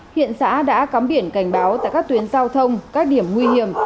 hiện xã đã cắm biển cảnh báo tại các tuyến giao thông các điểm nguy hiểm